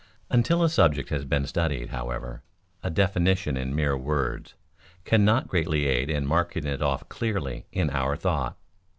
Until a subject has been studied, however, a definition in mere words cannot greatly aid in marking it off clearly in our thought.